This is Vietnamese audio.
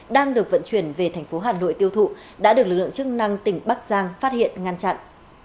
đang được vận chuyển về thành phố hà nội tiêu thụ đã được lực lượng chức năng tỉnh bắc giang phát hiện ngăn chặn